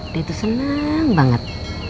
dia itu senang banget